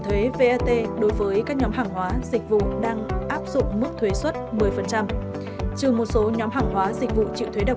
thuế vat đang áp dụng mức thuế xuất một mươi phần trăm trừ một số nhóm hàng hóa dịch vụ triệu thuế đặc